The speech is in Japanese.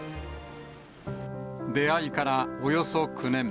出会いからおよそ９年。